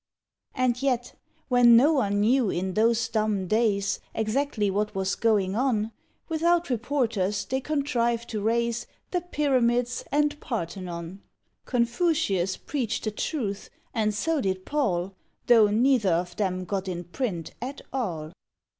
And yet, when no one knew in those dumb days Exactly what was going on, Without reporters they contrived to raise The Pyramids and Parthenon; CONFUCIUS preached the Truth, and so did PAUL, Though neither of them got in print at all.